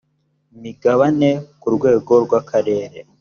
imigabane ku rwego rw akarere